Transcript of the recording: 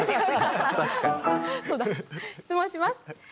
質問します。